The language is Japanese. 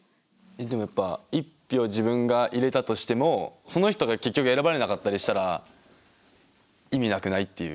でもやっぱ１票を自分が入れたとしてもその人が結局選ばれなかったりしたら意味なくない？っていう。